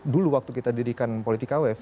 dulu waktu kita dirikan politika wave